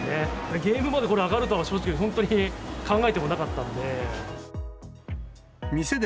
ゲームまでこれ、上がるとは正直、本当に考えてもなかったんで。